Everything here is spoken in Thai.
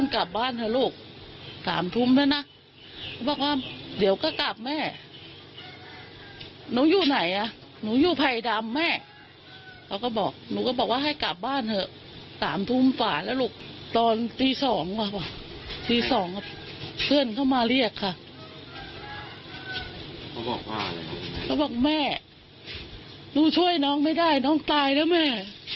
เขาบอกแม่หนูช่วยน้องไม่ได้น้องตายแล้วแม่